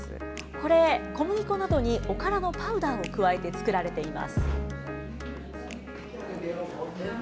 これ、小麦粉などにおからのパウダーを加えて作られています。